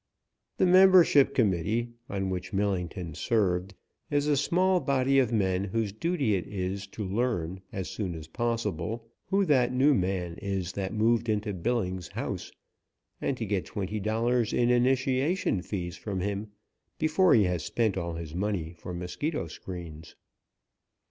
The Membership Committee, on which Millington served, is a small body of men whose duty it is to learn, as soon as possible, who that new man is that moved into Billing's house, and to get twenty dollars in initiation fees from him, before he has spent all his money for mosquito screens.